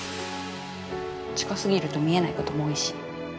近すぎると見えない事も多いし。